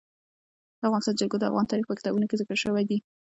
د افغانستان جلکو د افغان تاریخ په کتابونو کې ذکر شوی دي.